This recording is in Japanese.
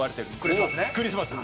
クリスマスね。